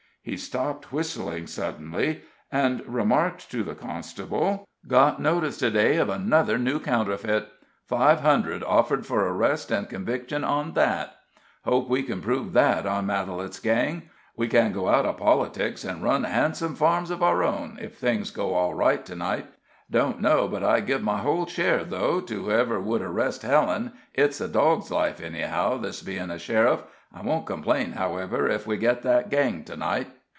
He stopped whistling suddenly, and remarked to the constable: "Got notice to day of another new counterfeit. Five hundred offered for arrest and conviction on that. Hope we can prove that on Matalette's gang. We can go out of politics, and run handsome farms of our own, if things go all right to night. Don't know but I'd give my whole share, though, to whoever would arrest Helen. It's a dog's life, anyhow, this bein' a sheriff. I won't complain, however, if we get that gang to night."